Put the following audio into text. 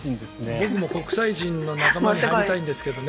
僕も国際人の仲間に入りたいんですけどね。